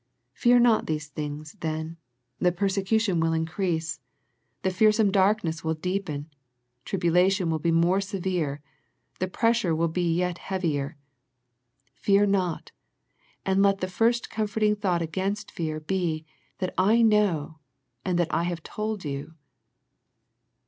Fear not these things then, the persecution will increase, the fear 72 A First Century Message some darkness will deepen, tribulation will be more severe, the pressure will yet be heavier. Fear not, and let the first comforting thought against fear be that I know and that I have told you.